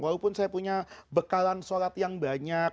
walaupun saya punya bekalan sholat yang banyak